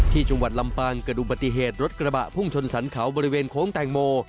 ที่จังหวัดลำปางเกิดอุบัติเหตุรถกระบะพุ่งชนสรรเขาบริเวณโค้งแตงโม